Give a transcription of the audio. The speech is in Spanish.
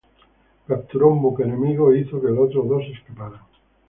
Capturó un buque enemigo e hizo que los otros dos escaparan.